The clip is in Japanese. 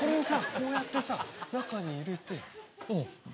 こうやってさ中に入れてうん。